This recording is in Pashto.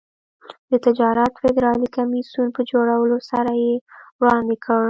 د تجارت فدرالي کمېسیون په جوړولو سره یې وړاندې کړ.